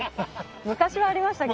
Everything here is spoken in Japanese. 昔はありましたけど。